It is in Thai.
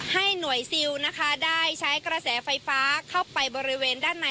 ให้หน่วยซิลนะคะได้ใช้กระแสไฟฟ้าเข้าไปบริเวณด้านใน